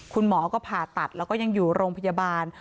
คุณหมอก็ผ่าตัดแล้วก็ยังอยู่โรงพยาบาล